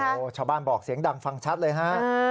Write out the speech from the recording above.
โอ้โหชาวบ้านบอกเสียงดังฟังชัดเลยฮะ